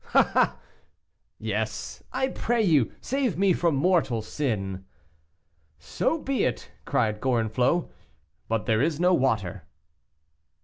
"Ah! ah!" "Yes, I pray you, save me from mortal sin." "So be it," cried Gorenflot, "but there is no water."